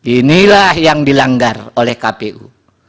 inilah yang dilanggar oleh kpu